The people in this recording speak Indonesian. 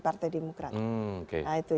partai demokrat hmm oke nah itu